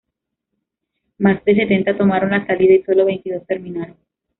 Más de setenta tomaron la salida y solo veintidós terminaron.